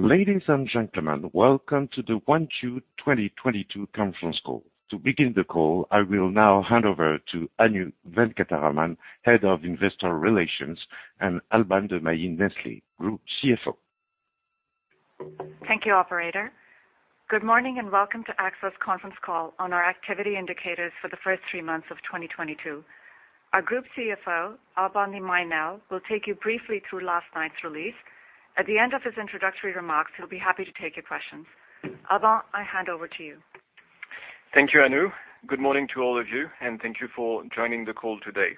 Ladies and gentlemen, welcome to the 1Q 2022 conference call. To begin the call, I will now hand over to Anu Venkataraman, Head of Investor Relations, and Alban de Mailly Nesle, Group CFO. Thank you, operator. Good morning, and welcome to AXA's conference call on our activity indicators for the first three months of 2022. Our Group CFO, Alban de Mailly, now will take you briefly through last night's release. At the end of his introductory remarks, he'll be happy to take your questions. Alban, I hand over to you. Thank you, Anu. Good morning to all of you, and thank you for joining the call today.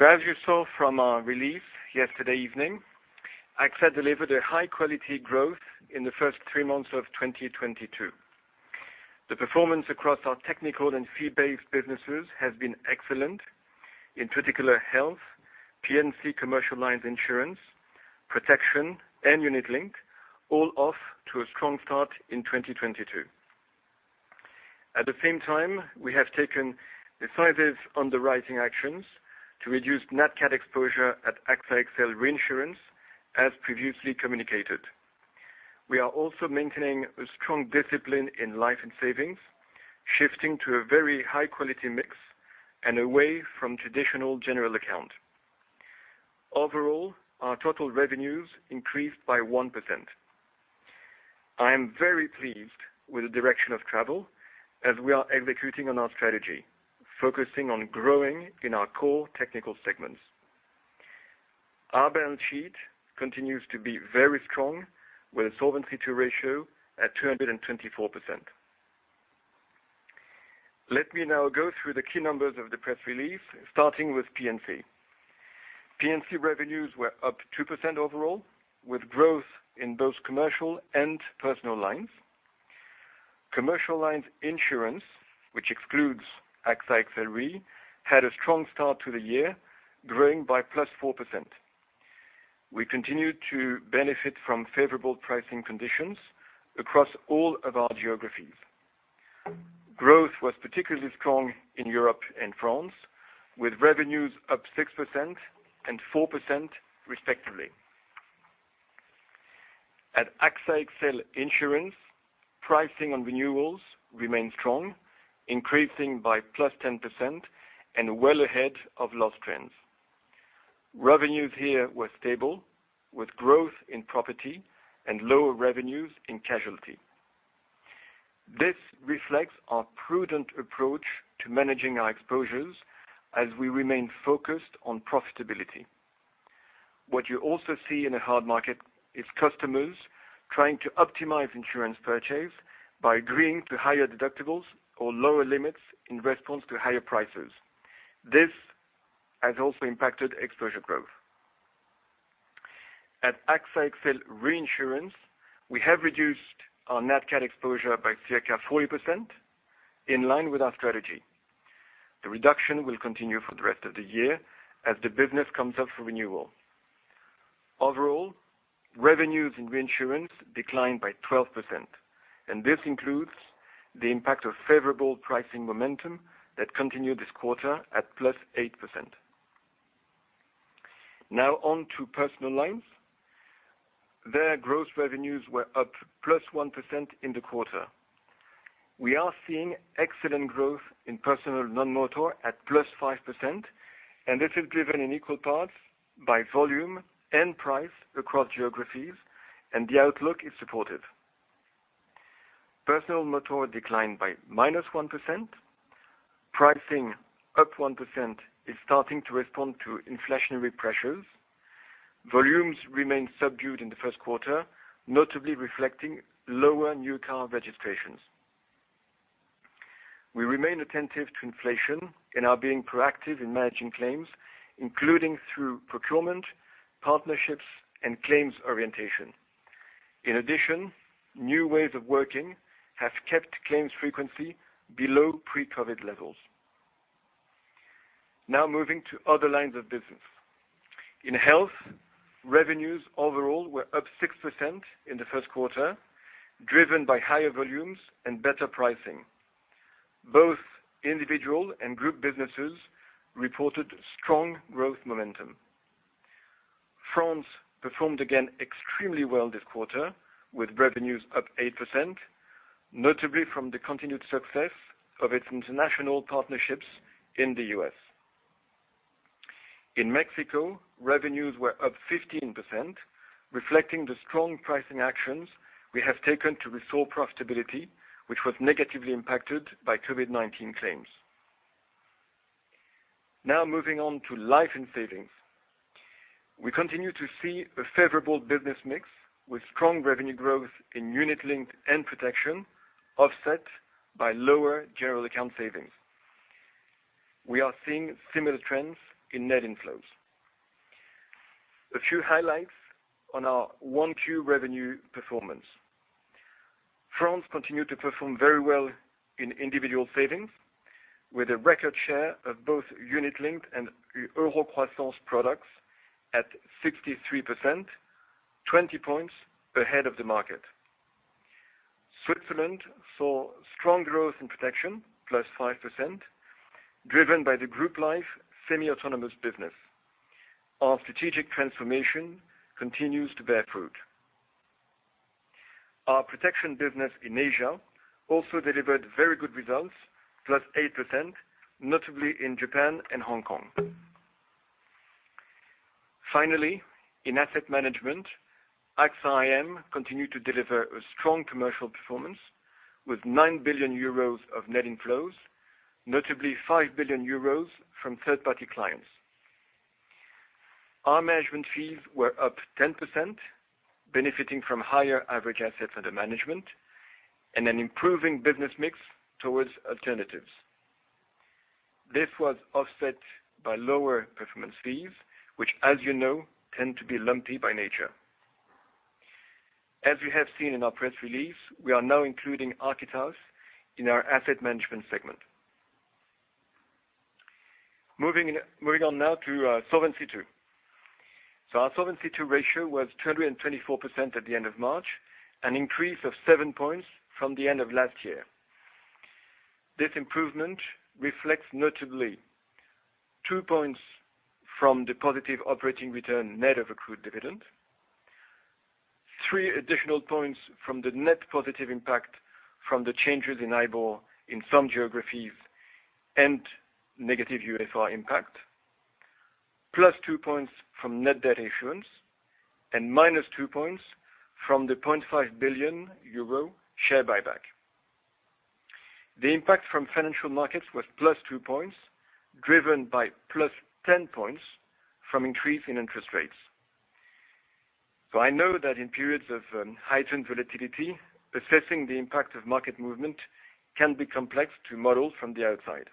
As you saw from our release yesterday evening, AXA delivered a high-quality growth in the first three months of 2022. The performance across our technical and fee-based businesses has been excellent. In particular, Health, P&C Commercial Lines Insurance, Protection, and unit-linked, all off to a strong start in 2022. At the same time, we have taken decisive underwriting actions to reduce NatCat exposure at AXA XL Reinsurance, as previously communicated. We are also maintaining a strong discipline in Life and Savings, shifting to a very high-quality mix and away from traditional general account. Overall, our total revenues increased by 1%. I am very pleased with the direction of travel as we are executing on our strategy, focusing on growing in our core technical segments. Our balance sheet continues to be very strong, with a Solvency II ratio at 224%. Let me now go through the key numbers of the press release, starting with P&C. P&C revenues were up 2% overall, with growth in both commercial and personal lines. Commercial lines insurance, which excludes AXA XL Re, had a strong start to the year, growing by +4%. We continued to benefit from favorable pricing conditions across all of our geographies. Growth was particularly strong in Europe and France, with revenues up 6% and 4%, respectively. At AXA XL Insurance, pricing and renewals remain strong, increasing by +10% and well ahead of loss trends. Revenues here were stable, with growth in property and lower revenues in casualty. This reflects our prudent approach to managing our exposures as we remain focused on profitability. What you also see in a hard market is customers trying to optimize insurance purchase by agreeing to higher deductibles or lower limits in response to higher prices. This has also impacted exposure growth. At AXA XL Reinsurance, we have reduced our NatCat exposure by circa 40%, in line with our strategy. The reduction will continue for the rest of the year as the business comes up for renewal. Overall, revenues in reinsurance declined by 12%, and this includes the impact of favorable pricing momentum that continued this quarter at +8%. Now on to personal lines. There, gross revenues were up +1% in the quarter. We are seeing excellent growth in personal non-motor at +5%, and this is driven in equal parts by volume and price across geographies, and the outlook is supported. Personal motor declined by -1%. Pricing up 1% is starting to respond to inflationary pressures. Volumes remain subdued in the first quarter, notably reflecting lower new car registrations. We remain attentive to inflation and are being proactive in managing claims, including through procurement, partnerships, and claims orientation. In addition, new ways of working have kept claims frequency below pre-COVID levels. Now moving to other lines of business. In Health, revenues overall were up 6% in the first quarter, driven by higher volumes and better pricing. Both individual and group businesses reported strong growth momentum. France performed again extremely well this quarter, with revenues up 8%, notably from the continued success of its international partnerships in the U.S. In Mexico, revenues were up 15%, reflecting the strong pricing actions we have taken to restore profitability, which was negatively impacted by COVID-19 claims. Now moving on to Life and Savings. We continue to see a favorable business mix with strong revenue growth in unit-linked and protection, offset by lower general account savings. We are seeing similar trends in net inflows. A few highlights on our Q1 revenue performance. France continued to perform very well in individual savings, with a record share of both unit-linked and Eurocroissance products at 63%, 20 points ahead of the market. Switzerland saw strong growth in protection, +5%, driven by the Group Life semi-autonomous business. Our strategic transformation continues to bear fruit. Our protection business in Asia also delivered very good results, +8%, notably in Japan and Hong Kong. Finally, in asset management, AXA IM continued to deliver a strong commercial performance with 9 billion euros of net inflows, notably 5 billion euros from third-party clients. Our management fees were up 10%, benefiting from higher average assets under management and an improving business mix towards alternatives. This was offset by lower performance fees, which, as you know, tend to be lumpy by nature. As we have seen in our press release, we are now including Architas in our asset management segment. Moving on now to Solvency II. Our Solvency II ratio was 224% at the end of March, an increase of 7 points from the end of last year. This improvement reflects notably 2 points from the positive operating return net of accrued dividend, three additional points from the net positive impact from the changes in IBOR in some geographies and negative UFR impact, +2 points from net debt issuance, and -2 points from the 0.5 billion euro share buyback. The impact from financial markets was +2 points, driven by +10 points from increase in interest rates. I know that in periods of heightened volatility, assessing the impact of market movement can be complex to model from the outside.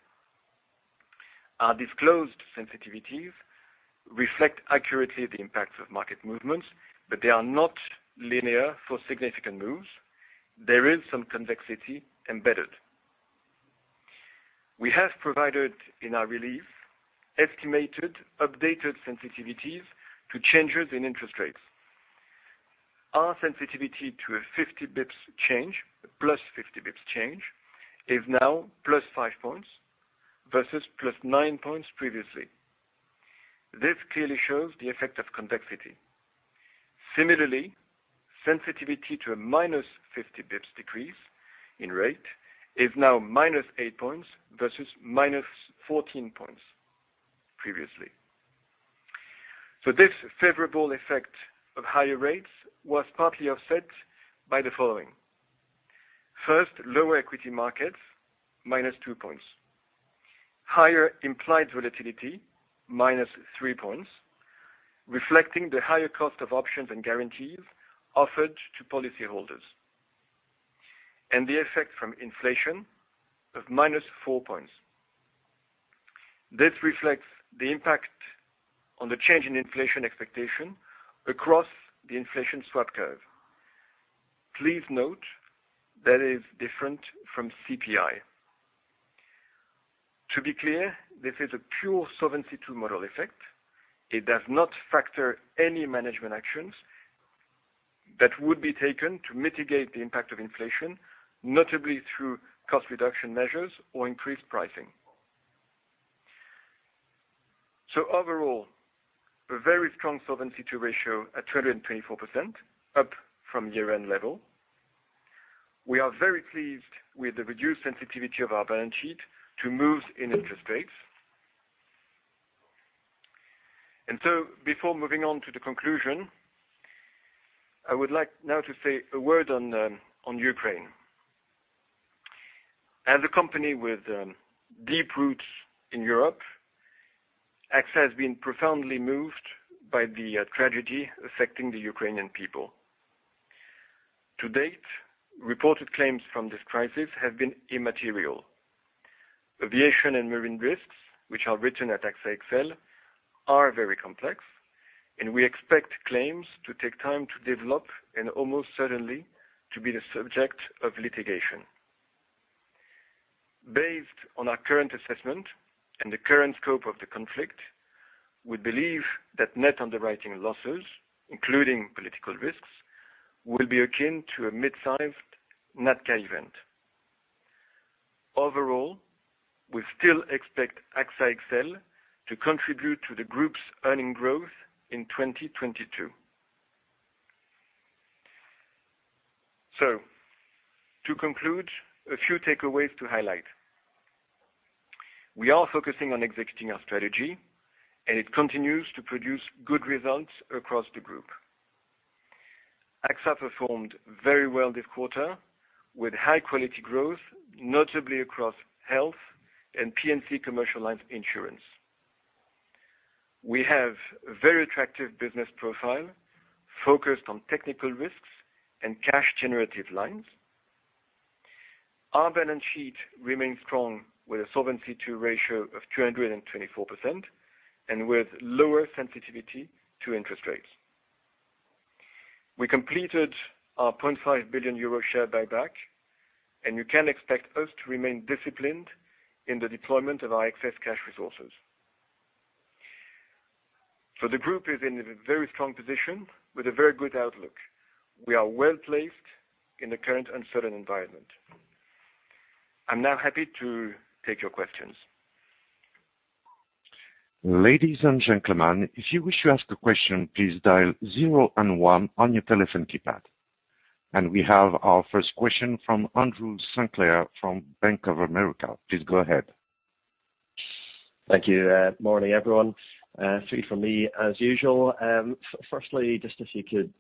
Our disclosed sensitivities reflect accurately the impacts of market movements, but they are not linear for significant moves. There is some convexity embedded. We have provided, in our release, estimated updated sensitivities to changes in interest rates. Our sensitivity to a 50 basis points change, +50 basis points change, is now +5 points versus +9 points previously. This clearly shows the effect of convexity. Similarly, sensitivity to a -50 basis points decrease in rate is now -8 points versus -14 points previously. This favorable effect of higher rates was partly offset by the following. First, lower equity markets, -2 points. Higher implied volatility, -3 points, reflecting the higher cost of options and guarantees offered to policy holders. The effect from inflation of -4 points. This reflects the impact on the change in inflation expectation across the inflation swap curve. Please note that is different from CPI. To be clear, this is a pure Solvency II model effect. It does not factor any management actions that would be taken to mitigate the impact of inflation, notably through cost reduction measures or increased pricing. Overall, a very strong Solvency II ratio at 224%, up from year-end level. We are very pleased with the reduced sensitivity of our balance sheet to moves in interest rates. Before moving on to the conclusion, I would like now to say a word on Ukraine. As a company with deep roots in Europe, AXA has been profoundly moved by the tragedy affecting the Ukrainian people. To date, reported claims from this crisis have been immaterial. Aviation and marine risks, which are written at AXA XL, are very complex, and we expect claims to take time to develop and almost certainly to be the subject of litigation. Based on our current assessment and the current scope of the conflict, we believe that net underwriting losses, including political risks, will be akin to a mid-sized NatCat event. Overall, we still expect AXA XL to contribute to the group's earning growth in 2022. To conclude, a few takeaways to highlight. We are focusing on executing our strategy, and it continues to produce good results across the group. AXA performed very well this quarter with high-quality growth, notably across health and P&C commercial lines insurance. We have a very attractive business profile focused on technical risks and cash generative lines. Our balance sheet remains strong with a Solvency II ratio of 224% and with lower sensitivity to interest rates. We completed our 0.5 billion euro share buyback, and you can expect us to remain disciplined in the deployment of our excess cash resources. The group is in a very strong position with a very good outlook. We are well-placed in the current uncertain environment. I'm now happy to take your questions. Ladies and gentlemen, if you wish to ask a question, please dial zero and one on your telephone keypad. We have our first question from Andrew Sinclair from Bank of America. Please go ahead. Thank you. Morning, everyone. Three from me as usual. Firstly, just if you could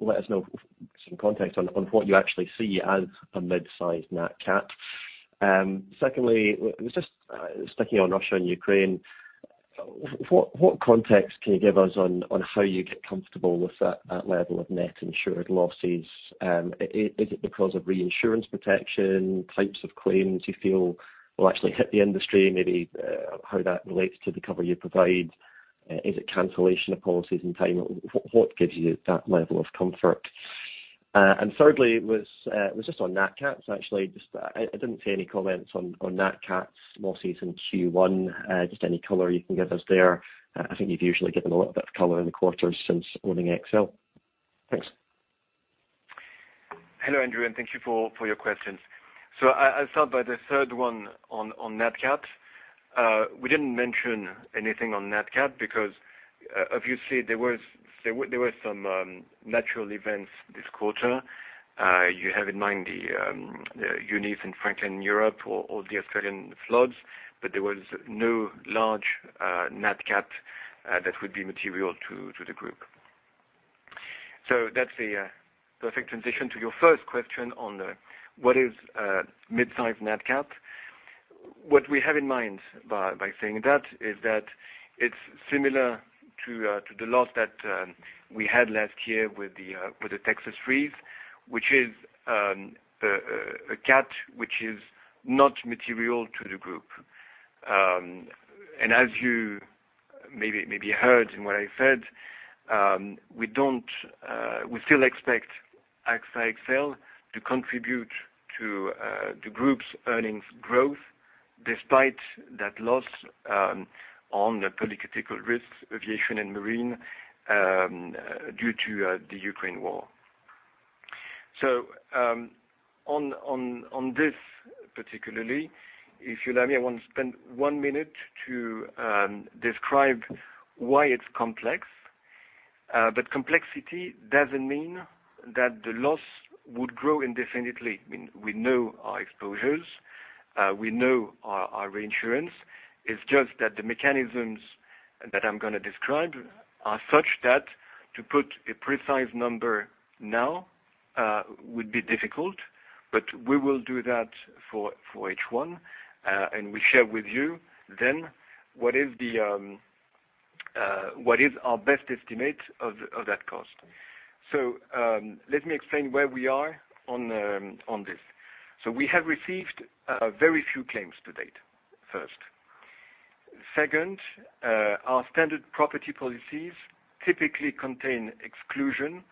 let us know some context on what you actually see as a mid-sized NatCat. Secondly, was just sticking on Russia and Ukraine. What context can you give us on how you get comfortable with that level of net insured losses? Is it because of reinsurance protection, types of claims you feel will actually hit the industry, maybe how that relates to the cover you provide? Is it cancellation of policies and timing? What gives you that level of comfort? Thirdly, was just on NatCats, actually. Just I didn't see any comments on NatCats losses in Q1. Just any color you can give us there. I think you've usually given a little bit of color in the quarters since owning XL. Thanks. Hello, Andrew, and thank you for your questions. I'll start by the third one on NatCat. We didn't mention anything on NatCat because obviously there were some natural events this quarter. You have in mind the Eunice and Franklin Europe or the Australian floods, but there was no large NatCat that would be material to the group. That's a perfect transition to your first question on what is a mid-sized NatCat. What we have in mind by saying that is that it's similar to the loss that we had last year with the Texas freeze, which is a cat which is not material to the group. As you maybe heard in what I said, we still expect AXA XL to contribute to the group's earnings growth despite that loss on the political risks, aviation and marine due to the Ukraine war. On this particular, if you'll allow me, I want to spend one minute to describe why it's complex. Complexity doesn't mean that the loss would grow indefinitely. I mean, we know our exposures, we know our reinsurance. It's just that the mechanisms that I'm gonna describe are such that to put a precise number now would be difficult, but we will do that for H1 and we share with you then what is our best estimate of that cost. Let me explain where we are on this. We have received very few claims to date, first. Second, our standard property policies typically contain exclusion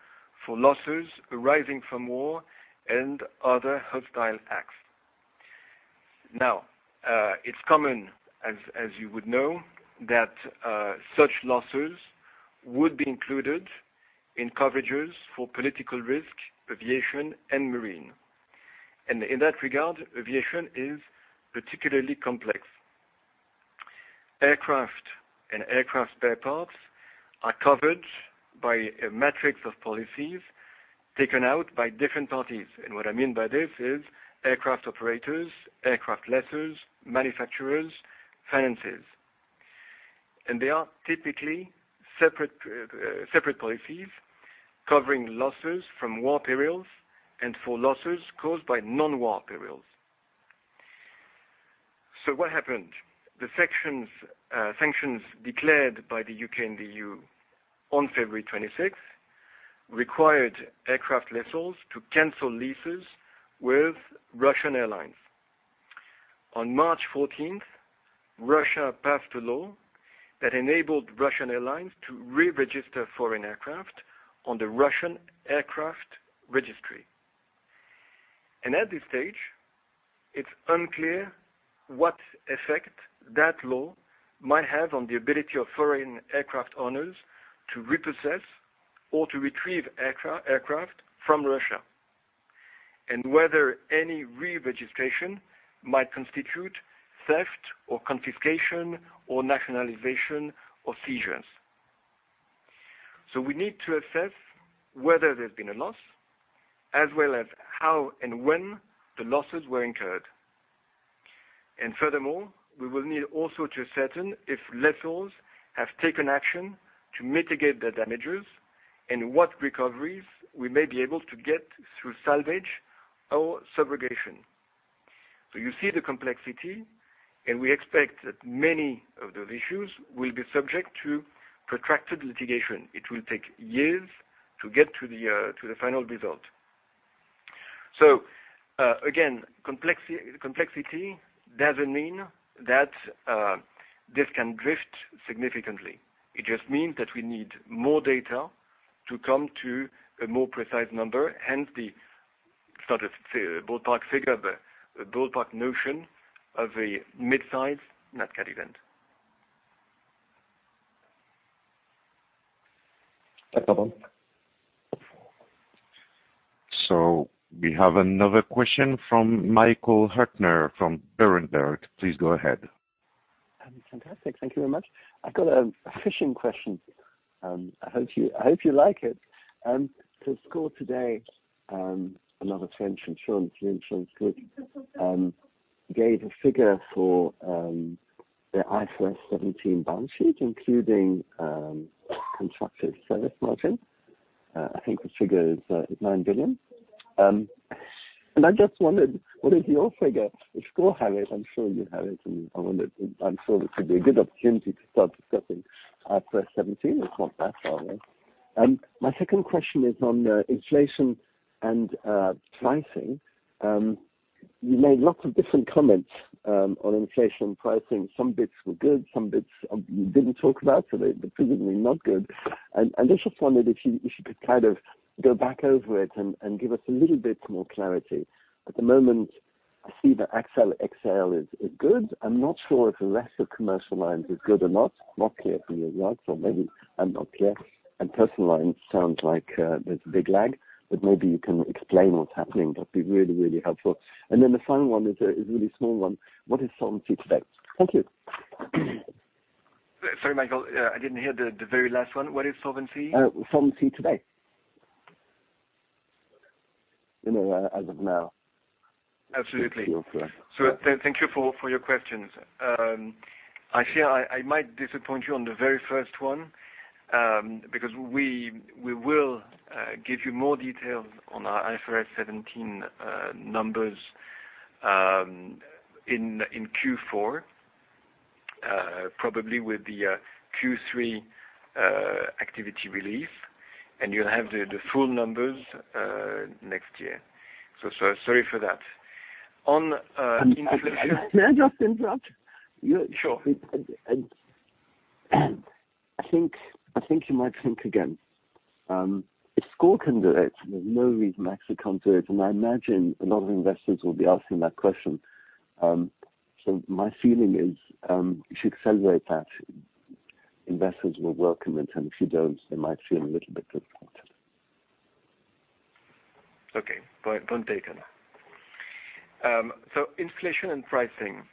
for losses arising from war and other hostile acts. Now, it's common as you would know, that such losses would be included in coverages for political risk, aviation, and marine. In that regard, aviation is particularly complex. Aircraft and aircraft spare parts are covered by a matrix of policies taken out by different parties. What I mean by this is aircraft operators, aircraft lessors, manufacturers, financiers. They are typically separate policies covering losses from war perils and for losses caused by non-war perils. What happened? Sanctions declared by the U.K. and E.U. On February 26th required aircraft lessors to cancel leases with Russian airlines. On March 14th, Russia passed a law that enabled Russian airlines to re-register foreign aircraft on the Russian aircraft registry. At this stage, it's unclear what effect that law might have on the ability of foreign aircraft owners to repossess or to retrieve aircraft from Russia, and whether any re-registration might constitute theft or confiscation or nationalization or seizures. We need to assess whether there's been a loss, as well as how and when the losses were incurred. Furthermore, we will need also to ascertain if lessors have taken action to mitigate the damages and what recoveries we may be able to get through salvage or subrogation. You see the complexity, and we expect that many of those issues will be subject to protracted litigation. It will take years to get to the final result. Again, complexity doesn't mean that this can drift significantly. It just means that we need more data to come to a more precise number, hence the. It's not a ballpark figure, but a ballpark notion of a mid-size NatCat event. Okay. We have another question from Michael Huttner from Berenberg. Please go ahead. Fantastic. Thank you very much. I've got a fishing question. I hope you like it. SCOR today, another French insurance, the insurance group, gave a figure for the IFRS 17 balance sheet, including contractual service margin. I think the figure is 9 billion. I just wondered what is your figure? If SCOR, have it, I'm sure you have it, and I'm sure this would be a good opportunity to start discussing IFRS 17. It's not that, are we? My second question is on inflation and pricing. You made lots of different comments on inflation pricing. Some bits were good, some bits you didn't talk about, so they're presumably not good. I just wondered if you could kind of go back over it and give us a little bit more clarity. At the moment, I see the AXA XL is good. I'm not sure if the rest of commercial lines is good or not. Not clear from your notes, so maybe I'm not clear. Personal lines sounds like there's a big lag, but maybe you can explain what's happening. That'd be really helpful. Then the final one is a really small one. What is solvency today? Thank you. Sorry, Michael, I didn't hear the very last one. What is solvency? Solvency today. You know, as of now. Absolutely. Thank you for your questions. I feel I might disappoint you on the very first one, because we will give you more details on our IFRS 17 numbers in Q4, probably with the Q3 activity report, and you'll have the full numbers next year. Sorry for that. On inflation. May I just interrupt? Sure. I think you might think again. If SCOR can do it, there's no reason AXA can't do it. I imagine a lot of investors will be asking that question. My feeling is, you should celebrate that investors will welcome it, and if you don't, they might feel a little bit disappointed. Okay. Point taken. Inflation and pricing.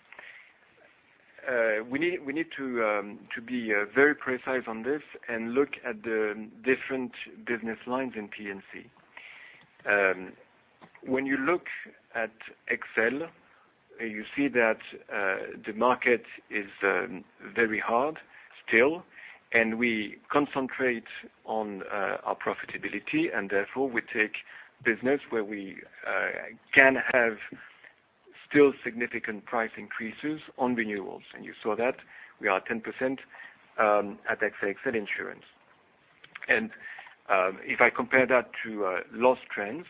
We need to be very precise on this and look at the different business lines in P&C. When you look at XL, you see that the market is very hard still, and we concentrate on our profitability, and therefore we take business where we can have still significant price increases on renewals. You saw that we are 10% at AXA XL Insurance. If I compare that to loss trends,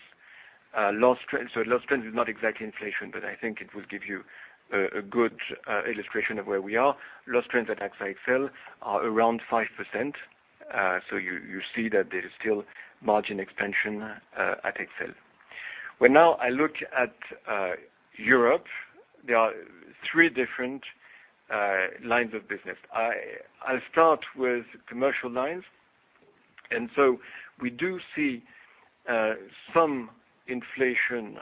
loss trends is not exactly inflation, but I think it will give you a good illustration of where we are. Loss trends at AXA XL are around 5%, so you see that there is still margin expansion at XL. When now I look at Europe, there are three different lines of business. I'll start with commercial lines. We do see some inflation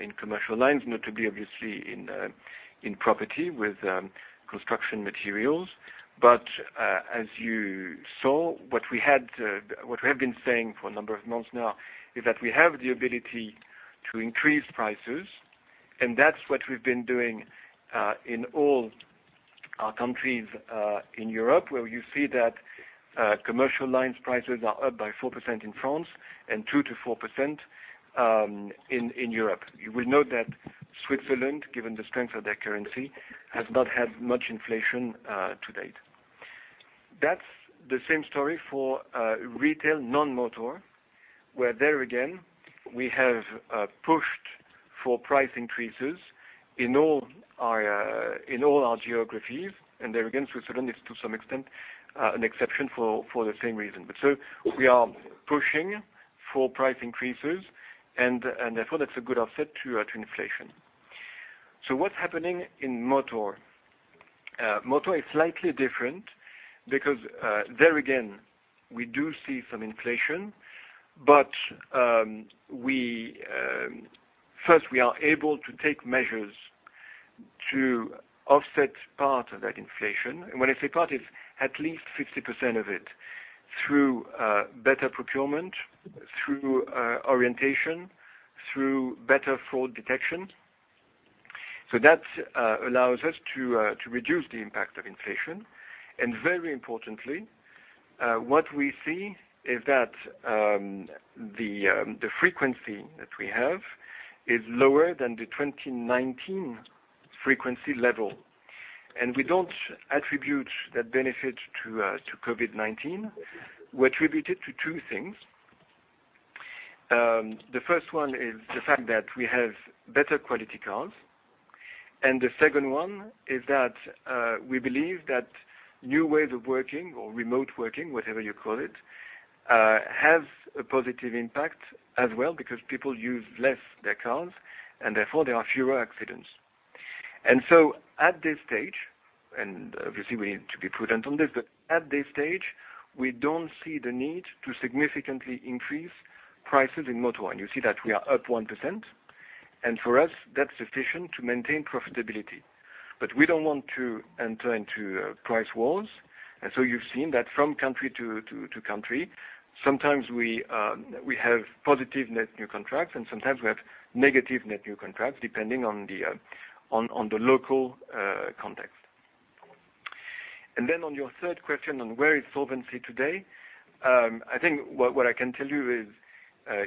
in commercial lines, notably obviously in property with construction materials. But as you saw, what we have been saying for a number of months now is that we have the ability to increase prices, and that's what we've been doing in all our countries in Europe, where you see that commercial lines prices are up by 4% in France and 2%-4% in Europe. You will note that Switzerland, given the strength of their currency, has not had much inflation to date. That's the same story for retail non-motor, where there again, we have pushed for price increases in all our geographies. There again, Switzerland is to some extent an exception for the same reason. We are pushing for price increases and therefore that's a good offset to inflation. What's happening in motor? Motor is slightly different because there again, we do see some inflation, but we first are able to take measures to offset part of that inflation. When I say part, it's at least 50% of it through better procurement, through orientation, through better fraud detection. That allows us to reduce the impact of inflation. Very importantly, what we see is that the frequency that we have is lower than the 2019 frequency level. We don't attribute that benefit to COVID-19. We attribute it to two things. The first one is the fact that we have better quality cars. The second one is that we believe that new ways of working or remote working, whatever you call it, have a positive impact as well because people use less their cars, and therefore, there are fewer accidents. At this stage, and obviously, we need to be prudent on this, but at this stage, we don't see the need to significantly increase prices in motor one. You see that we are up 1%. For us, that's sufficient to maintain profitability. We don't want to enter into price wars. You've seen that from country to country, sometimes we have positive net new contracts, and sometimes we have negative net new contracts depending on the local context. On your third question on where is solvency today, I think what I can tell you is,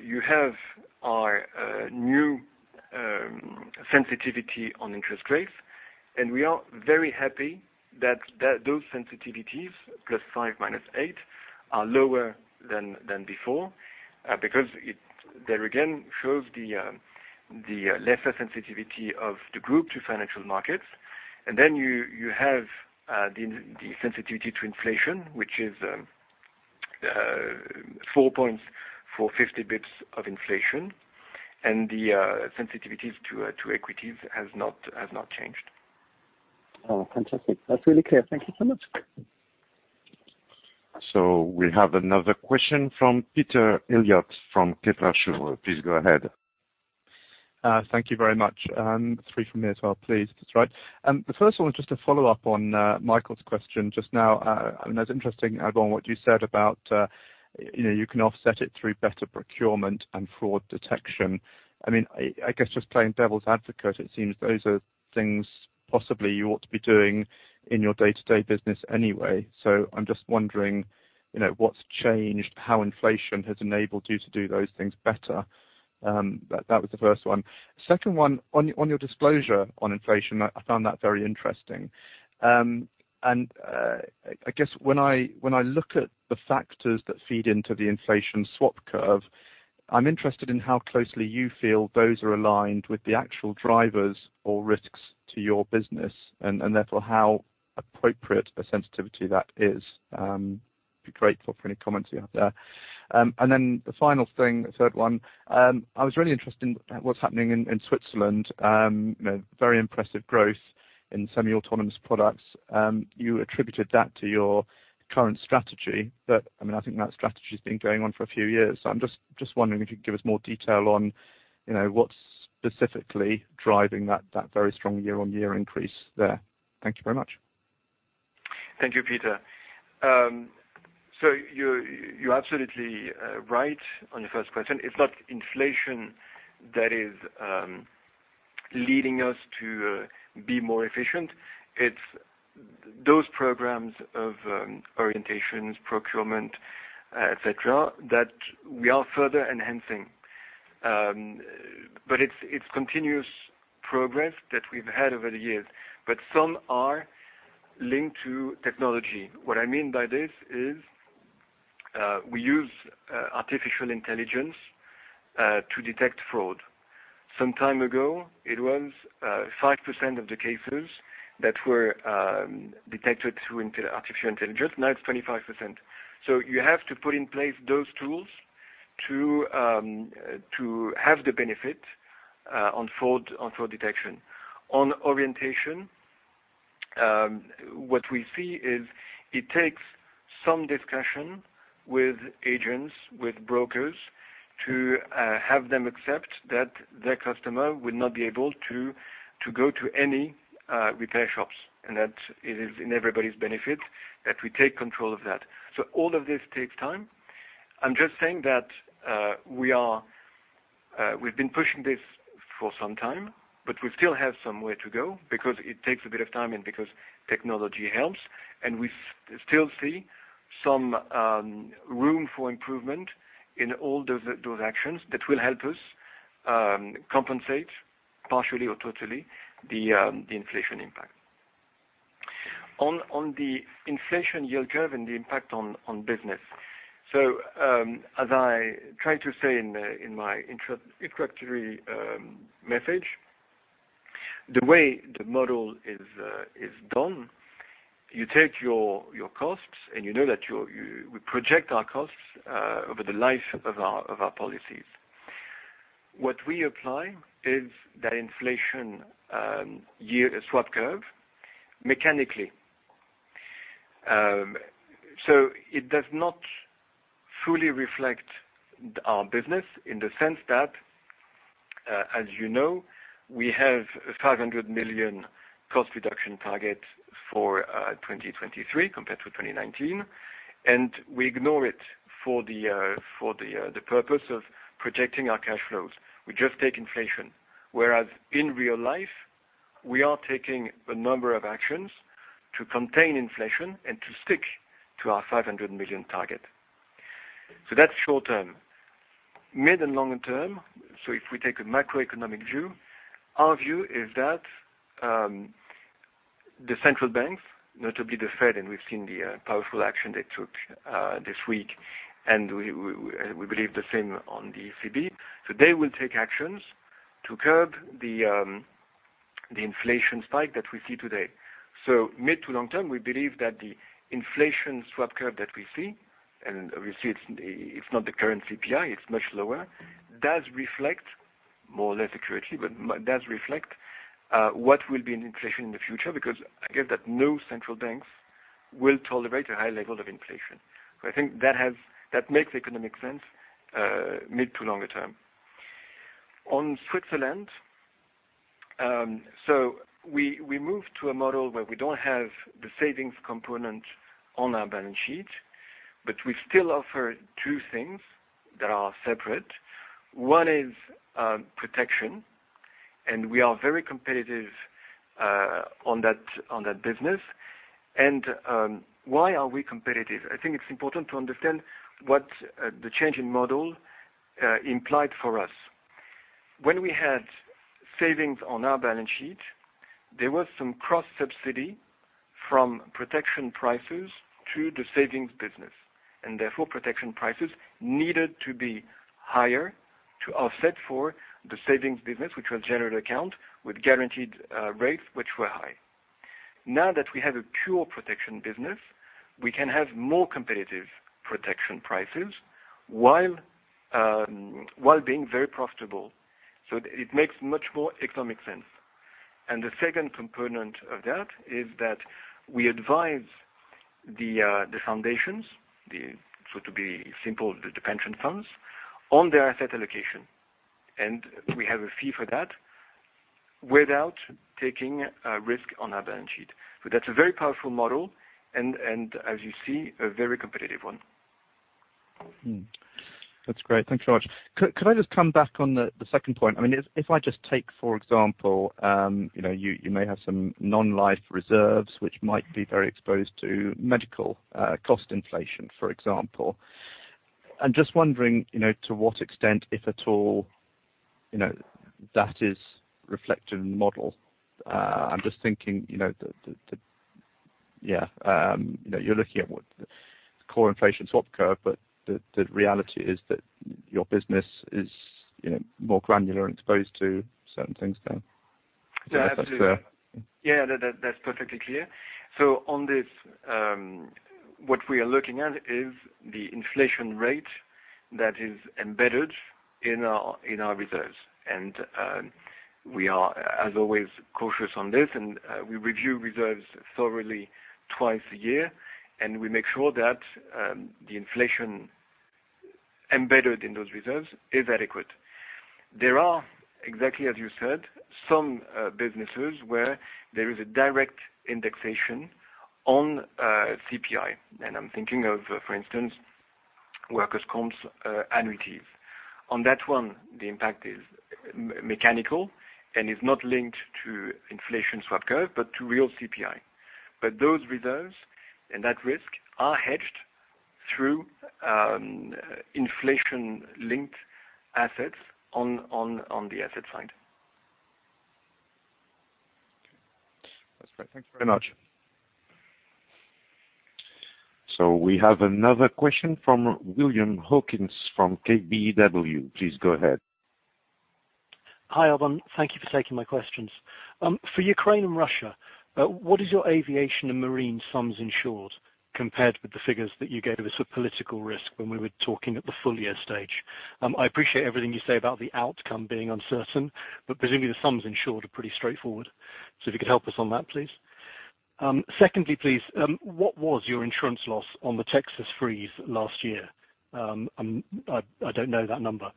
you have our new sensitivity on interest rates, and we are very happy that those sensitivities, +5, -8, are lower than before, because there again shows the lesser sensitivity of the group to financial markets. You have the sensitivity to inflation, which is 4 points for 50 basis points of inflation. The sensitivities to equities has not changed. Oh, fantastic. That's really clear. Thank you so much. We have another question from Peter Eliot from Kepler Cheuvreux. Please go ahead. Thank you very much. Three from me as well, please. That's right. The first one was just a follow-up on Michael's question just now. I mean, that's interesting, Alban, what you said about, you know, you can offset it through better procurement and fraud detection. I mean, I guess just playing devil's advocate, it seems those are things possibly you ought to be doing in your day-to-day business anyway. I'm just wondering, you know, what's changed, how inflation has enabled you to do those things better. That was the first one. Second one, on your disclosure on inflation, I found that very interesting. I guess when I look at the factors that feed into the inflation swap curve, I'm interested in how closely you feel those are aligned with the actual drivers or risks to your business, and therefore, how appropriate a sensitivity that is. Be grateful for any comments you have there. The final thing, the third one, I was really interested in what's happening in Switzerland. You know, very impressive growth in semi-autonomous products. You attributed that to your current strategy. I mean, I think that strategy's been going on for a few years. I'm just wondering if you could give us more detail on, you know, what's specifically driving that very strong year-on-year increase there. Thank you very much. Thank you, Peter. You're absolutely right on your first question. It's not inflation that is leading us to be more efficient. It's those programs of orientations, procurement, et cetera, that we are further enhancing. It's continuous progress that we've had over the years, but some are linked to technology. What I mean by this is, we use artificial intelligence to detect fraud. Some time ago, it was 5% of the cases that were detected through artificial intelligence, now it's 25%. You have to put in place those tools to have the benefit on fraud detection. On orientation, what we see is it takes some discussion with agents, with brokers to have them accept that their customer will not be able to go to any repair shops, and that it is in everybody's benefit that we take control of that. All of this takes time. I'm just saying that we've been pushing this for some time, but we still have somewhere to go because it takes a bit of time and because technology helps. We still see some room for improvement in all those actions that will help us compensate partially or totally the inflation impact. On the inflation yield curve and the impact on business. As I tried to say in my introductory message, the way the model is done, you take your costs, and you know that we project our costs over the life of our policies. What we apply is that inflation yield swap curve mechanically. It does not fully reflect our business in the sense that, as you know, we have 500 million cost reduction target for 2023 compared to 2019, and we ignore it for the purpose of projecting our cash flows. We just take inflation. Whereas in real life, we are taking a number of actions to contain inflation and to stick to our 500 million target. That's short term. Mid- and long-term, if we take a macroeconomic view, our view is that the central banks, not only the Fed, and we've seen the powerful action they took this week, and we believe the same on the ECB. They will take actions to curb the inflation spike that we see today. Mid- to long-term, we believe that the inflation swap curve that we see, and obviously it's not the current CPI, it's much lower, does reflect more or less accurately what will be an inflation in the future, because I guess that no central banks will tolerate a high level of inflation. I think that makes economic sense, mid- to longer-term. On Switzerland, we moved to a model where we don't have the savings component on our balance sheet, but we still offer two things that are separate. One is protection, and we are very competitive on that business. Why are we competitive? I think it's important to understand what's the change in model implied for us. When we had savings on our balance sheet, there was some cross-subsidy from protection prices to the savings business, and therefore protection prices needed to be higher to offset for the savings business, which was general account with guaranteed rates which were high. Now that we have a pure protection business, we can have more competitive protection prices while being very profitable. It makes much more economic sense. The second component of that is that we advise the foundations. To be simple, the pension funds on their asset allocation. We have a fee for that without taking risk on our balance sheet. That's a very powerful model and, as you see, a very competitive one. That's great. Thanks so much. Could I just come back on the second point? I mean, if I just take, for example, you know, you may have some non-life reserves which might be very exposed to medical cost inflation, for example. I'm just wondering, you know, to what extent, if at all, you know, that is reflected in the model. I'm just thinking, you know, you're looking at what the core inflation swap curve, but the reality is that your business is, you know, more granular and exposed to certain things than. Yeah, absolutely. If that's fair. Yeah. That's perfectly clear. On this, what we are looking at is the inflation rate that is embedded in our reserves. We are, as always, cautious on this. We review reserves thoroughly twice a year, and we make sure that the inflation embedded in those reserves is adequate. There are, exactly as you said, some businesses where there is a direct indexation on CPI. I'm thinking of, for instance, workers' comps, annuities. On that one, the impact is mechanical and is not linked to inflation swap curve, but to real CPI. Those reserves and that risk are hedged through inflation-linked assets on the asset side. That's great. Thank you very much. We have another question from William Hawkins from KBW. Please go ahead. Hi, Alban. Thank you for taking my questions. For Ukraine and Russia, what is your aviation and marine sums insured compared with the figures that you gave us for political risk when we were talking at the full year stage? I appreciate everything you say about the outcome being uncertain, but presumably the sums insured are pretty straightforward. If you could help us on that, please. Secondly, please, what was your insurance loss on the Texas freeze last year? I don't know that number.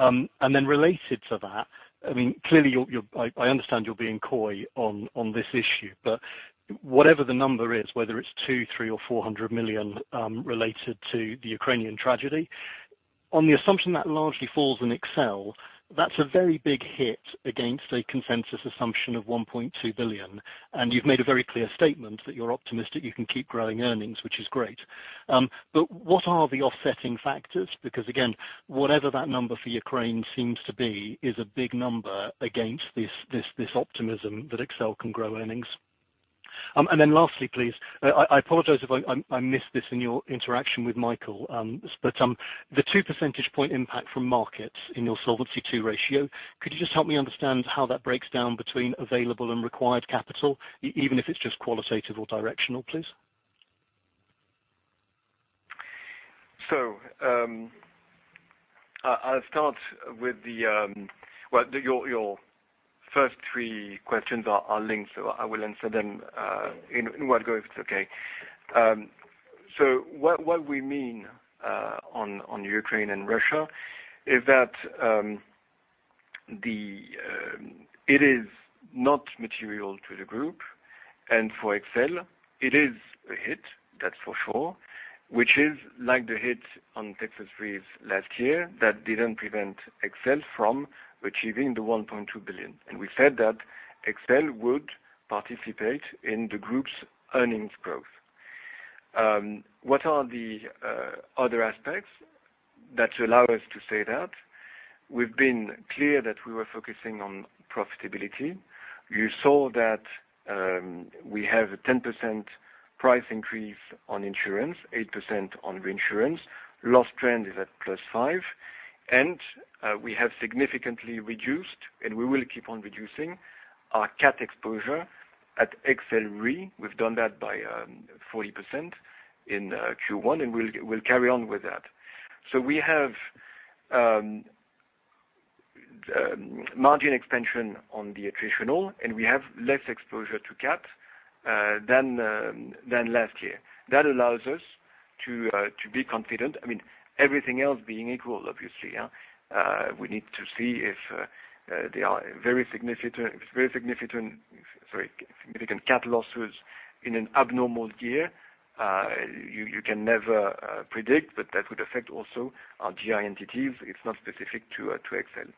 Related to that, I mean, clearly you're being coy on this issue, but whatever the number is, whether it's 200 million, 300 million or 400 million, related to the Ukrainian tragedy, on the assumption that largely falls in AXA XL, that's a very big hit against a consensus assumption of 1.2 billion. You've made a very clear statement that you're optimistic you can keep growing earnings, which is great. But what are the offsetting factors? Because again, whatever that number for Ukraine seems to be is a big number against this optimism that AXA XL can grow earnings. Lastly, please, I apologize if I missed this in your interaction with Michael. The 2 percentage point impact from markets in your Solvency II ratio, could you just help me understand how that breaks down between available and required capital, even if it's just qualitative or directional, please? I'll start with. Well, your first three questions are linked, so I will answer them in one go, if it's okay. What we mean on Ukraine and Russia is that it is not material to the group. For AXA XL, it is a hit, that's for sure, which is like the hit on Texas freeze last year that didn't prevent AXA XL from achieving the 1.2 billion. We said that AXA XL would participate in the group's earnings growth. What are the other aspects that allow us to say that? We've been clear that we were focusing on profitability. You saw that we have a 10% price increase on insurance, 8% on reinsurance. Loss trend is at +5%, and we have significantly reduced, and we will keep on reducing our cat exposure at XL Re. We've done that by 40% in Q1, and we'll carry on with that. We have margin expansion on the attritional, and we have less exposure to cat than last year. That allows us to be confident. I mean, everything else being equal, obviously, yeah. We need to see if there are significant cat losses in an abnormal year. You can never predict, but that would affect also our GI entities. It's not specific to XL.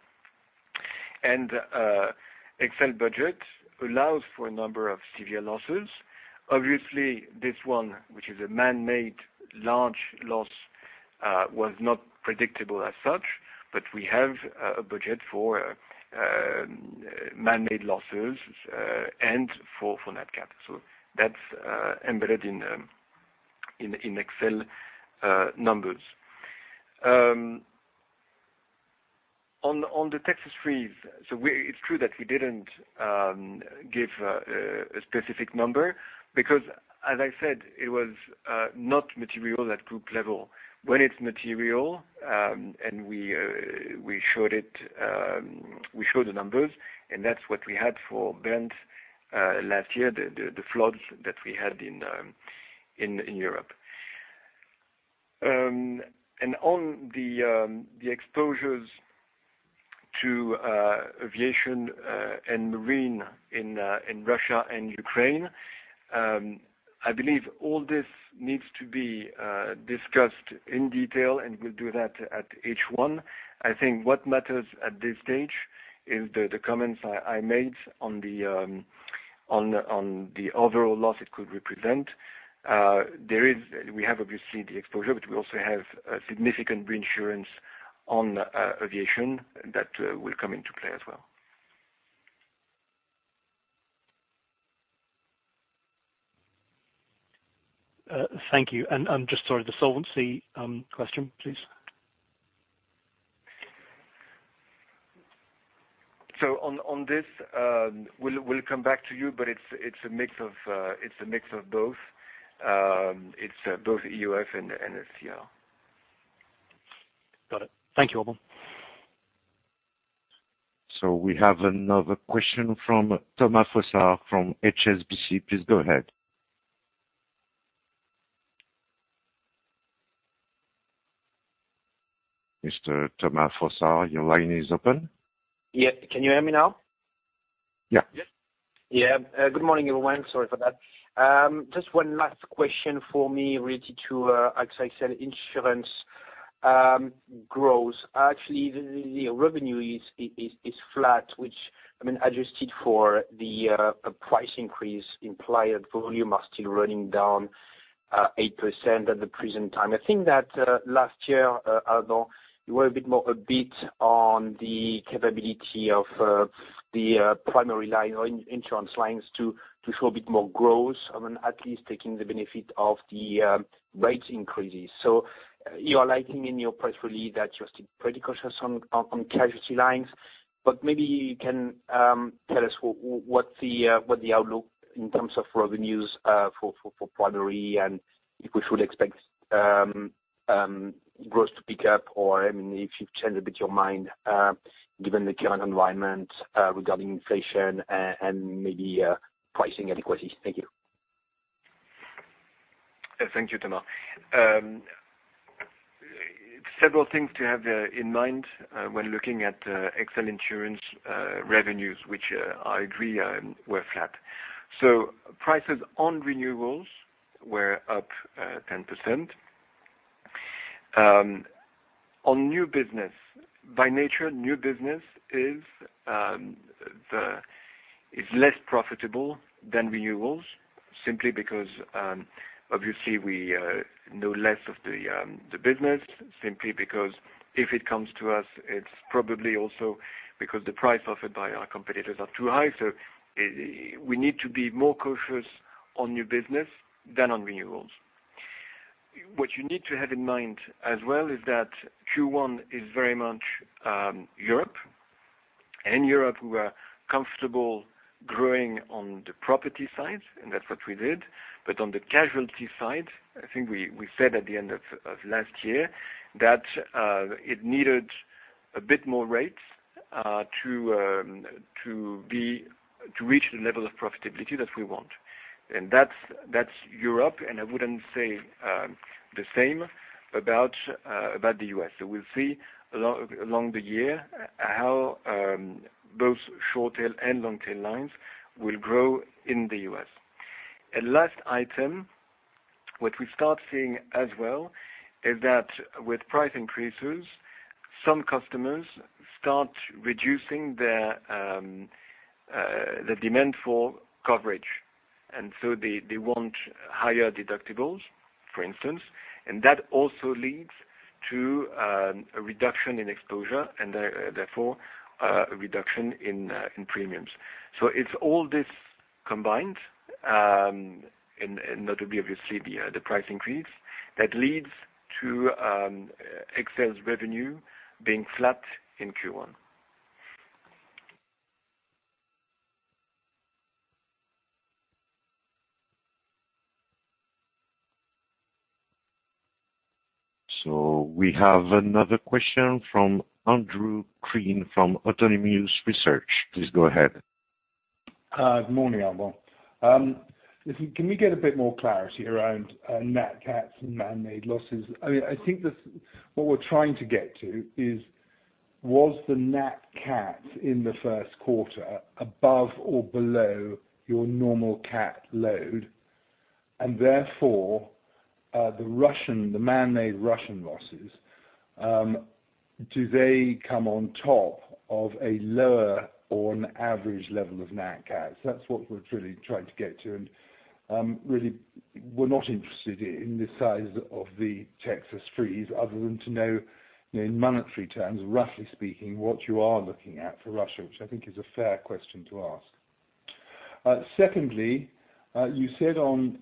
XL budget allows for a number of severe losses. Obviously, this one, which is a man-made large loss, was not predictable as such, but we have a budget for man-made losses and for NatCat. That's embedded in XL numbers. On the Texas freeze, it's true that we didn't give a specific number because as I said, it was not material at group level. When it's material and we showed it, we show the numbers, and that's what we had for Bernd last year, the floods that we had in Europe. And on the exposures to aviation and marine in Russia and Ukraine, I believe all this needs to be discussed in detail, and we'll do that at H1. I think what matters at this stage is the comments I made on the overall loss it could represent. We have obviously the exposure, but we also have a significant reinsurance on aviation that will come into play as well. Thank you. Just sorry, the solvency question, please. On this, we'll come back to you, but it's a mix of both. It's both EOF and SCR. Got it. Thank you, Alban. We have another question from Thomas Fossard from HSBC. Please go ahead. Mr. Thomas Fossard, your line is open. Yes. Can you hear me now? Yeah. Yeah. Good morning, everyone. Sorry for that. Just one last question for me related to, as I said, insurance growth. Actually, the revenue is flat, which I mean, adjusted for the, price increase implied volume are still running down 8% at the present time. I think that, last year, although you were a bit more on the capability of, the, primary line or insurance lines to show a bit more growth. I mean, at least taking the benefit of the, rates increases. You are saying in your press release that you're still pretty cautious on casualty lines, but maybe you can tell us what's the outlook in terms of revenues for primary and if we should expect growth to pick up or, I mean, if you've changed a bit your mind given the current environment regarding inflation and maybe pricing adequacy. Thank you. Thank you, Thomas. Several things to have in mind when looking at XL Insurance revenues, which I agree were flat. Prices on renewals were up 10%. On new business. By nature, new business is less profitable than renewals simply because obviously we know less of the business, simply because if it comes to us, it's probably also because the price offered by our competitors are too high. We need to be more cautious on new business than on renewals. What you need to have in mind as well is that Q1 is very much Europe. In Europe, we are comfortable growing on the property side, and that's what we did. On the casualty side, I think we said at the end of last year that it needed a bit more rates to reach the level of profitability that we want. That's Europe, and I wouldn't say the same about the U.S. We'll see along the year how both short tail and long tail lines will grow in the U.S. A last item, what we start seeing as well is that with price increases. Some customers start reducing the demand for coverage. They want higher deductibles, for instance. That also leads to a reduction in exposure, and therefore a reduction in premiums. It's all this combined, and notably, obviously, the price increase that leads to XL's revenue being flat in Q1. We have another question from Andrew Crean from Autonomous Research. Please go ahead. Good morning, Alban. Listen, can we get a bit more clarity around NatCats and man-made losses? I mean, I think what we're trying to get to is, was the NatCat in the first quarter above or below your normal cat load, and therefore, the man-made Russian losses do they come on top of a lower or an average level of NatCat? That's what we're truly trying to get to. Really, we're not interested in the size of the Texas freeze other than to know in monetary terms, roughly speaking, what you are looking at for Russia, which I think is a fair question to ask. Secondly, you said on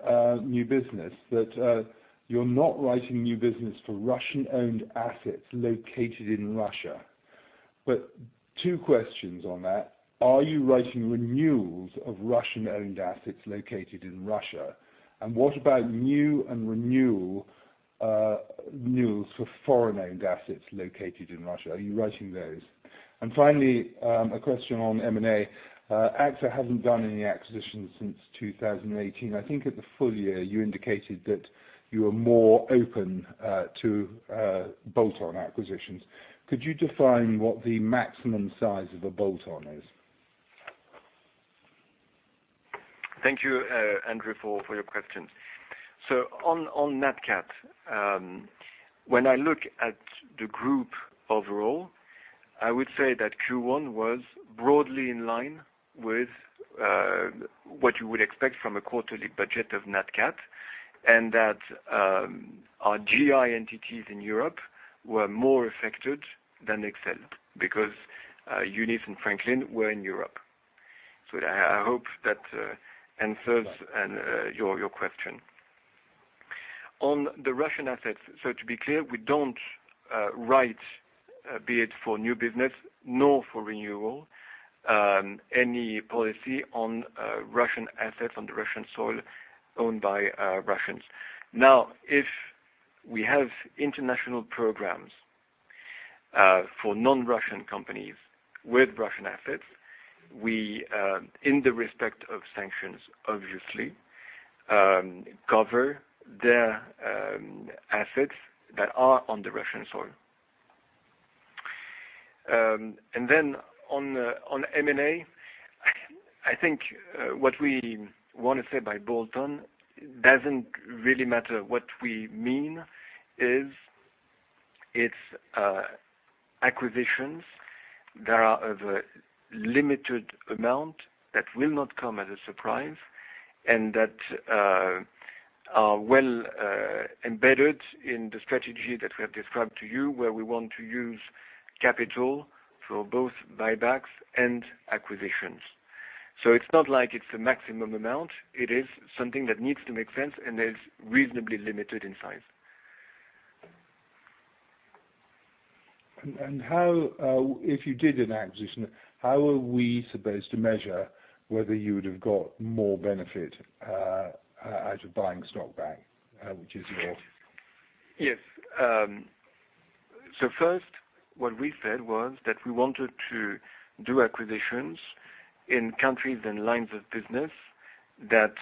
new business that you're not writing new business for Russian-owned assets located in Russia. Two questions on that. Are you writing renewals of Russian-owned assets located in Russia? What about new and renewals for foreign-owned assets located in Russia? Are you writing those? Finally, a question on M&A. AXA hasn't done any acquisitions since 2018. I think at the full year, you indicated that you are more open to bolt-on acquisitions. Could you define what the maximum size of a bolt-on is? Thank you, Andrew, for your questions. On NatCat, when I look at the group overall, I would say that Q1 was broadly in line with what you would expect from a quarterly budget of NatCat, and that our GI entities in Europe were more affected than XL because Eunice and Franklin were in Europe. I hope that answers your question. On the Russian assets, to be clear, we don't write be it for new business nor for renewal any policy on Russian assets on the Russian soil owned by Russians. Now, if we have international programs for non-Russian companies with Russian assets, we, in the respect of sanctions, obviously, cover their assets that are on the Russian soil. On M&A, I think what we wanna say by bolt-on doesn't really matter. What we mean is it's acquisitions that are of a limited amount that will not come as a surprise and that are well embedded in the strategy that we have described to you, where we want to use capital for both buybacks and acquisitions. It's not like it's a maximum amount. It is something that needs to make sense and is reasonably limited in size. How, if you did an acquisition, how are we supposed to measure whether you would have got more benefit out of buying stock back, which is your- Yes. First, what we said was that we wanted to do acquisitions in countries and lines of business that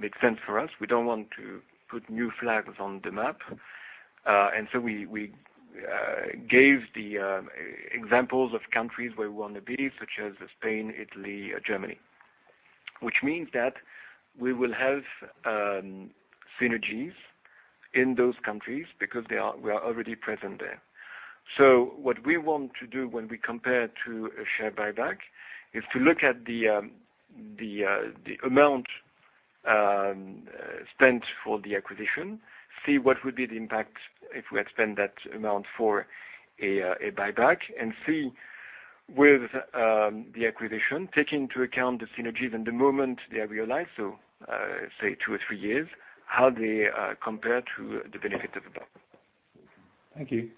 make sense for us. We don't want to put new flags on the map. We gave the examples of countries where we want to be, such as Spain, Italy, Germany, which means that we will have synergies in those countries because they are, we are already present there. What we want to do when we compare to a share buyback is to look at the amount spent for the acquisition, see what would be the impact if we had spent that amount for a buyback, and see with the acquisition, take into account the synergies and the moment they are realized, say two or three years, how they compare to the benefit of the buyback. Thank you.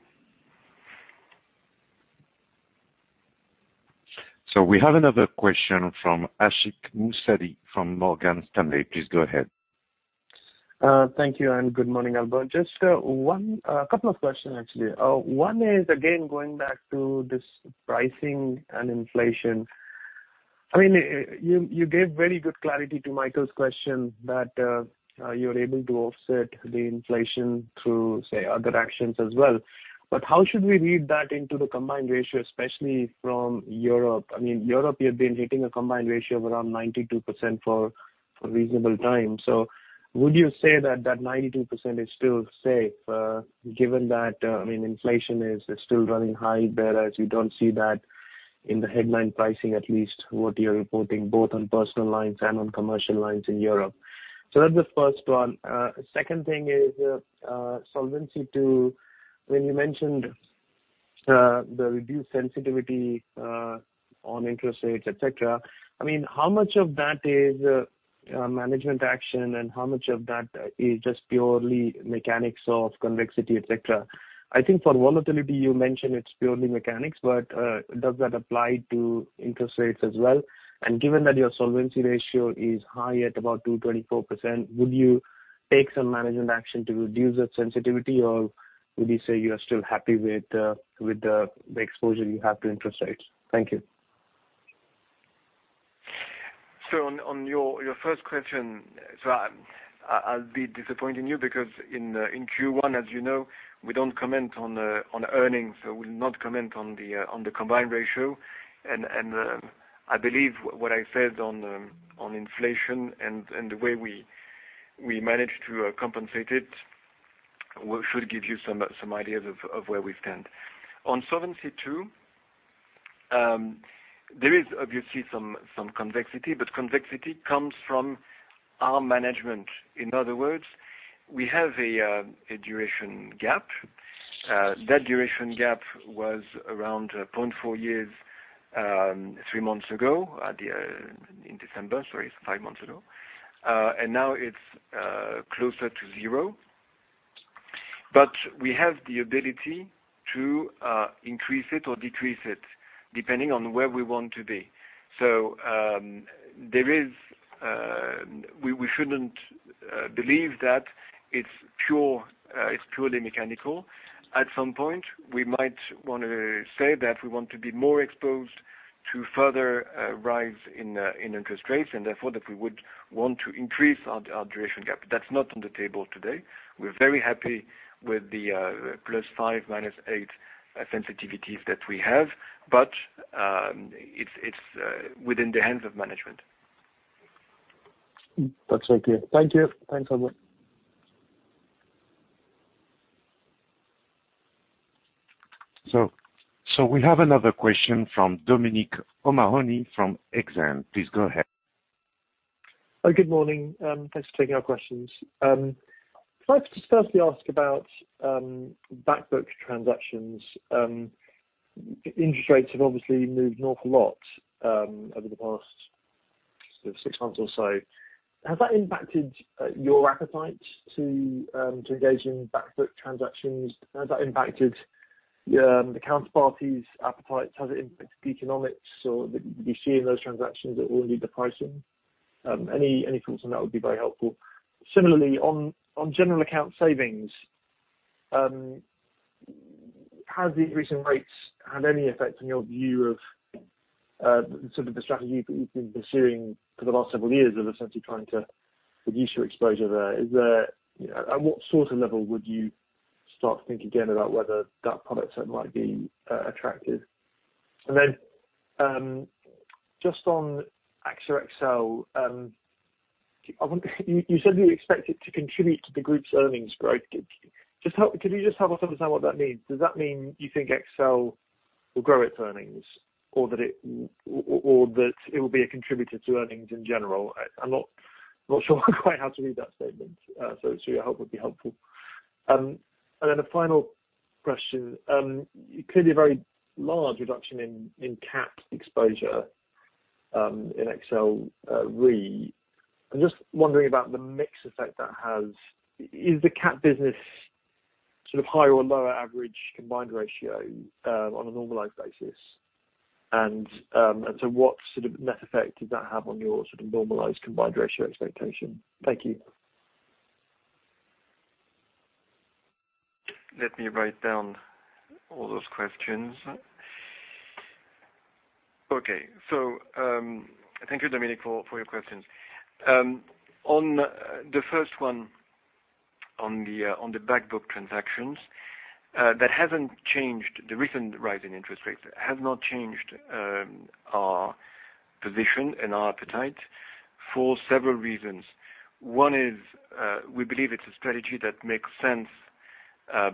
We have another question from Ashik Musaddi from Morgan Stanley. Please go ahead. Thank you, and good morning, Alban. Just a couple of questions actually. One is again going back to this pricing and inflation. I mean, you gave very good clarity to Michael's question that you're able to offset the inflation through, say, other actions as well. How should we read that into the combined ratio, especially from Europe? I mean, Europe, you've been hitting a combined ratio of around 92% for a reasonable time. Would you say that 92% is still safe, given that, I mean, inflation is still running high, whereas you don't see that in the headline pricing, at least what you're reporting both on personal lines and on commercial lines in Europe. That's the first one. Second thing is Solvency II. When you mentioned the reduced sensitivity on interest rates, et cetera, I mean, how much of that is management action, and how much of that is just purely mechanics of convexity, et cetera? I think for volatility, you mentioned it's purely mechanics, but does that apply to interest rates as well? Given that your solvency ratio is high at about 224%, would you take some management action to reduce that sensitivity, or would you say you are still happy with the exposure you have to interest rates? Thank you. On your first question, I'll be disappointing you because in Q1, as you know, we don't comment on earnings, so we'll not comment on the combined ratio. I believe what I said on inflation and the way we manage to compensate it should give you some ideas of where we stand. On Solvency II, there is obviously some convexity, but convexity comes from our management. In other words, we have a duration gap. That duration gap was around 0.4 years three months ago, in December, sorry, it's five months ago. And now it's closer to zero. We have the ability to increase it or decrease it depending on where we want to be. We shouldn't believe that it's purely mechanical. At some point, we might wanna say that we want to be more exposed to further rise in interest rates, and therefore that we would want to increase our duration gap. That's not on the table today. We're very happy with the +5, -8 sensitivities that we have, but it's within the hands of management. That's okay. Thank you. Thanks, Alban de Mailly Nesle. We have another question from Dominic O'Mahony from Exane. Please go ahead. Oh, good morning. Thanks for taking our questions. Can I just firstly ask about back book transactions. Interest rates have obviously moved an awful lot over the past six months or so. Has that impacted your appetite to engage in back book transactions? Has that impacted the counterparties' appetites? Has it impacted economics or that you see in those transactions at all, indeed, the pricing? Any thoughts on that would be very helpful. Similarly, on general account savings, have the increase in rates had any effect on your view of sort of the strategy that you've been pursuing for the last several years of essentially trying to reduce your exposure there? At what sort of level would you start to think again about whether that product set might be attractive? Just on AXA XL, you said you expect it to contribute to the Group's earnings growth. Can you just help us understand what that means? Does that mean you think XL will grow its earnings or that it will be a contributor to earnings in general? I'm not sure quite how to read that statement. Your help would be helpful. A final question. Clearly a very large reduction in cat exposure in XL Re. I'm just wondering about the mix effect that has. Is the cat business sort of higher or lower average combined ratio on a normalized basis? What sort of net effect does that have on your sort of normalized combined ratio expectation? Thank you. Let me write down all those questions. Okay. Thank you, Dominic, for your questions. On the first one, on the back book transactions, that hasn't changed. The recent rise in interest rates has not changed our position and our appetite for several reasons. One is, we believe it's a strategy that makes sense,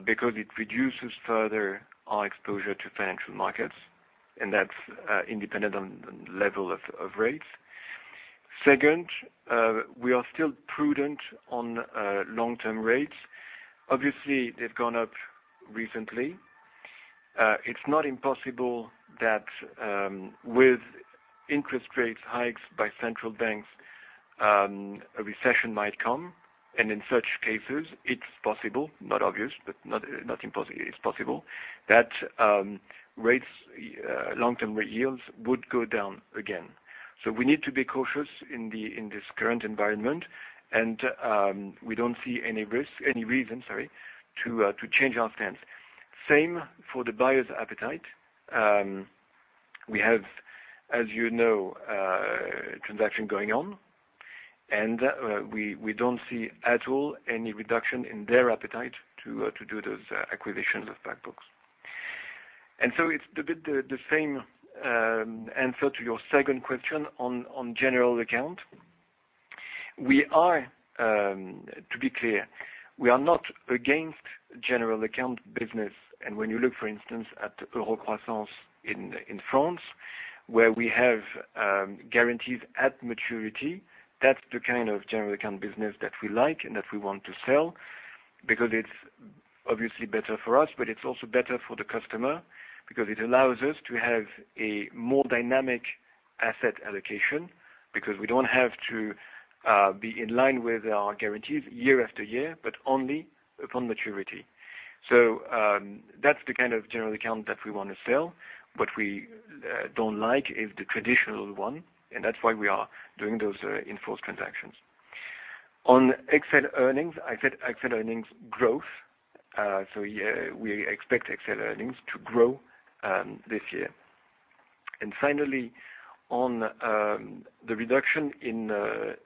because it reduces further our exposure to financial markets, and that's independent on level of rates. Second, we are still prudent on long-term rates. Obviously, they've gone up recently. It's not impossible that, with interest rate hikes by central banks, a recession might come. In such cases, it's possible, not obvious, but not impossible, it's possible, that rates, long-term rate yields would go down again. We need to be cautious in this current environment, and we don't see any risk, any reason, sorry, to change our stance. Same for the buyer's appetite. We have, as you know, transaction going on, and we don't see at all any reduction in their appetite to do those acquisitions of back books. It's a bit the same answer to your second question on general account. We are, to be clear, we are not against general account business. When you look for instance, at eurocroissance in France, where we have guarantees at maturity, that's the kind of general account business that we like and that we want to sell. Because it's obviously better for us, but it's also better for the customer because it allows us to have a more dynamic asset allocation, because we don't have to be in line with our guarantees year after year, but only upon maturity. That's the kind of general account that we wanna sell. What we don't like is the traditional one, and that's why we are doing those in-force transactions. On XL earnings, I said XL earnings growth. Yeah, we expect XL earnings to grow this year. Finally, on the reduction in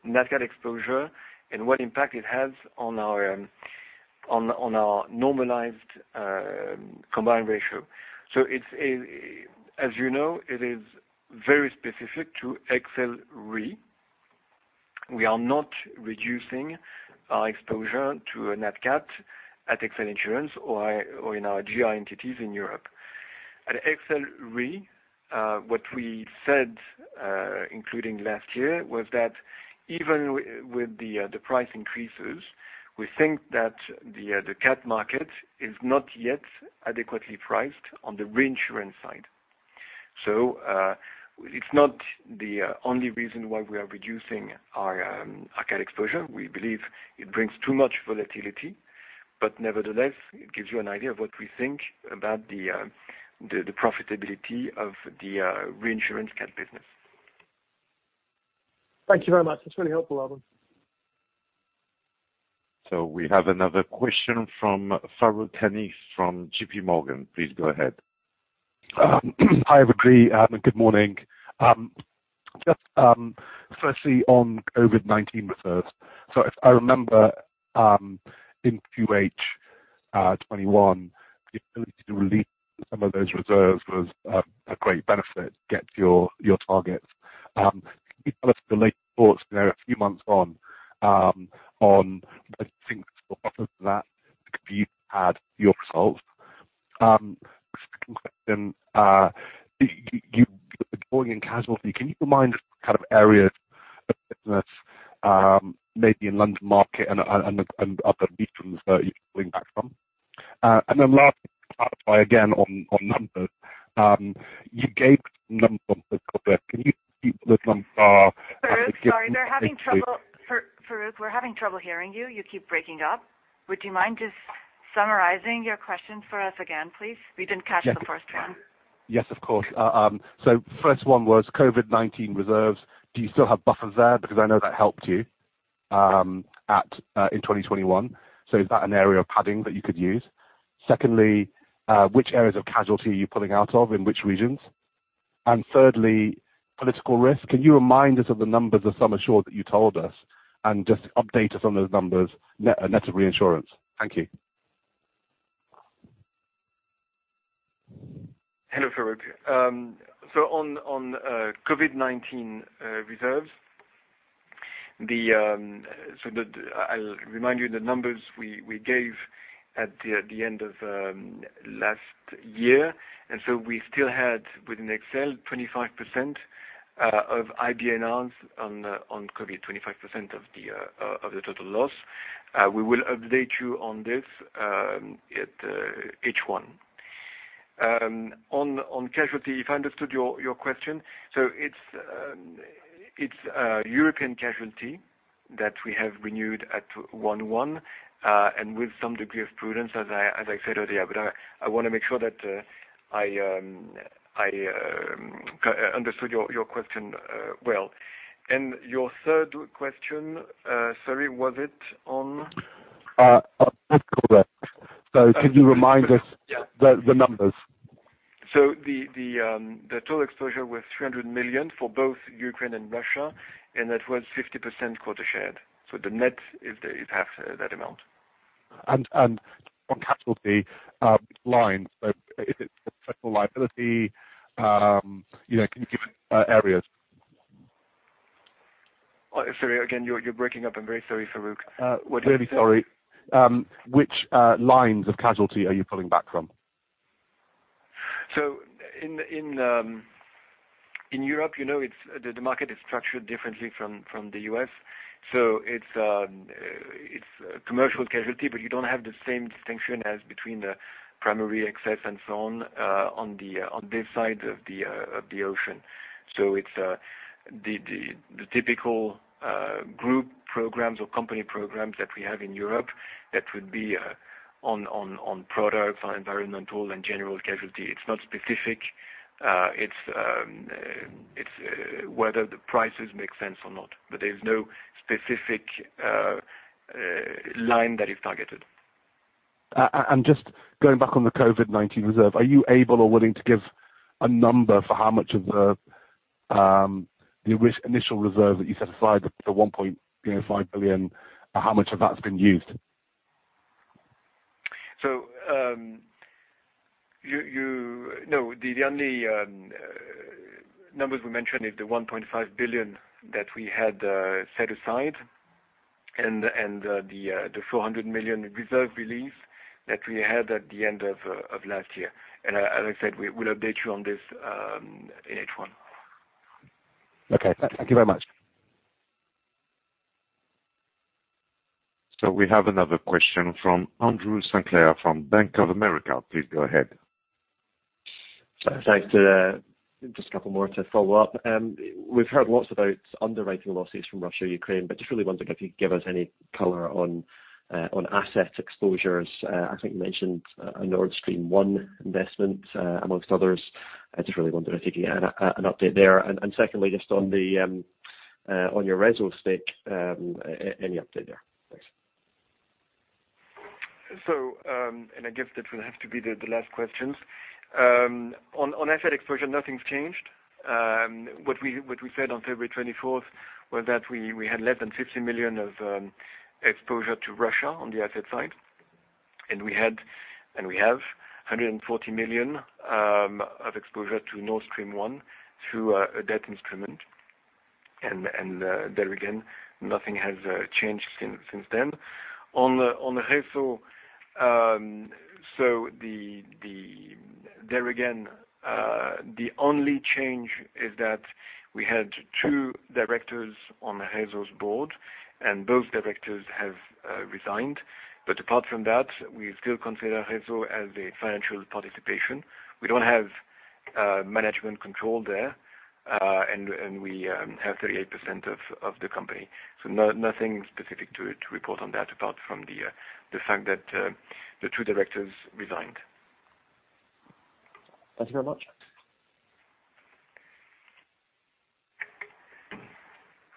NatCat exposure and what impact it has on our normalized combined ratio. As you know, it is very specific to XL Re. We are not reducing our exposure to NatCat at XL Insurance or in our GI entities in Europe. At XL Re, what we said, including last year, was that even with the price increases, we think that the cat market is not yet adequately priced on the reinsurance side. It's not the only reason why we are reducing our cat exposure. We believe it brings too much volatility, but nevertheless, it gives you an idea of what we think about the profitability of the reinsurance cat business. Thank you very much. That's really helpful, Alban. We have another question from Farooq Hanif from J.P. Morgan. Please go ahead. Hi everybody, good morning. Just firstly on COVID-19 reserves. If I remember, in Q1 2021, the ability to release some of those reserves was a great benefit to get to your targets. Can you tell us your latest thoughts, you know, a few months on I think that you've had your results. Second question, you're drawing in casualty. Can you remind us what kind of areas of business, maybe in London market and other regions that you're pulling back from? Then lastly, clarify again on numbers. You gave some numbers on political risk. Can you repeat what those numbers are at the- Farooq, we're having trouble hearing you. You keep breaking up. Would you mind just summarizing your questions for us again, please? We didn't catch the first one. Yes. Yes, of course. First one was COVID-19 reserves. Do you still have buffers there? Because I know that helped you in 2021. Is that an area of padding that you could use? Secondly, which areas of casualty are you pulling out of in which regions? And thirdly, political risk, can you remind us of the numbers of summer short that you told us and just update us on those numbers, net of reinsurance? Thank you. Hello, Farooq. So, on COVID-19 reserves, I'll remind you the numbers we gave at the end of last year, we still had within XL 25% of IBNRs on COVID, 25% of the total loss. We will update you on this at H1. On casualty, if I understood your question, it's European casualty that we have renewed at 1/1 and with some degree of prudence as I said earlier. But I wanna make sure that I understood your question well. Your third question, sorry, was it on- On political risk. Could you remind us? Yeah. the numbers? The total exposure was 300 million for both Ukraine and Russia, and that was 50% quota share. The net is half that amount. On casualty lines, so is it professional liability? You know, can you give areas? Sorry, again, you're breaking up. I'm very sorry, Farooq. What did you say? Really sorry. Which lines of casualty are you pulling back from? In Europe, you know, the market is structured differently from the US. It's commercial casualty, but you don't have the same distinction as between the primary excess and so on this side of the ocean. It's the typical group programs or company programs that we have in Europe that would be on products or environmental and general casualty. It's not specific. It's whether the prices make sense or not. But there's no specific line that is targeted. Just going back on the COVID-19 reserve, are you able or willing to give a number for how much of the risk initial reserve that you set aside, the 1.5 billion, you know, how much of that's been used? The only numbers we mentioned is the 1.5 billion that we had set aside, and the 400 million reserve release that we had at the end of last year. As I said, we'll update you on this in H1. Okay. Thank you very much. We have another question from Andrew Sinclair from Bank of America. Please go ahead. Thanks. Just a couple more to follow up. We've heard lots about underwriting losses from Russia, Ukraine, but just really wondering if you could give us any color on asset exposures. I think you mentioned a Nord Stream 1 investment, amongst others. I just really wonder if you can add an update there. Secondly, just on your RESO-Garantia stake, any update there? Thanks. I guess that will have to be the last questions. On asset exposure, nothing's changed. What we said on February twenty-fourth was that we had less than 50 million of exposure to Russia on the asset side. We had and we have 140 million of exposure to Nord Stream 1 through a debt instrument. There again, nothing has changed since then. On RESO-Garantia, there again, the only change is that we had two directors on RESO-Garantia's board and both directors have resigned. Apart from that, we still consider RESO-Garantia as a financial participation. We don't have management control there and we have 38% of the company. Nothing specific to report on that, apart from the fact that the two directors resigned. Thank you very much.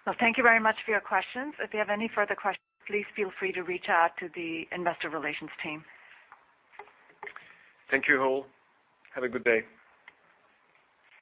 Well, thank you very much for your questions. If you have any further questions, please feel free to reach out to the investor relations team. Thank you all. Have a good day.